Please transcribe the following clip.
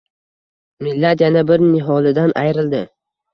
«Millat yana bir niholidan ayrildi.